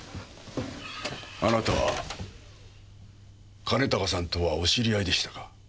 あなたは兼高さんとはお知り合いでしたか。